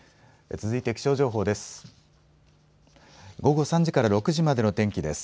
続いて気象情報です。